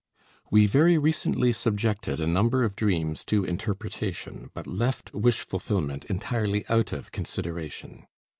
We very recently subjected a number of dreams to interpretation, but left wish fulfillment entirely out of consideration.